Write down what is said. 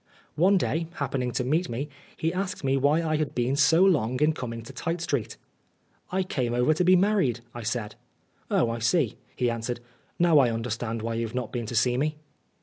One day, happening to meet me, he asked me why I had been so long in coming to Tite Street. " I came over to be married," I said. " Oh, I see," he answered. " Now I under stand why you have not been to see me."